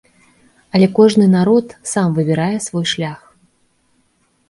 Але кожны народ сам выбірае свой шлях.